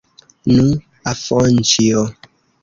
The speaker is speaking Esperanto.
Nu, Afonĉjo!